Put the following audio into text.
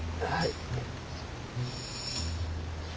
はい。